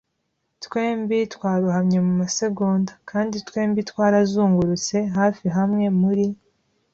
Twembi twarohamye mumasegonda, kandi twembi twarazungurutse, hafi hamwe, muri